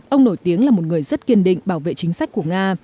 ông nổi tiếng là một người rất kiên định bảo vệ chính sách của nga